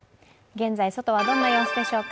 現在、外はどんな様子でしょうか。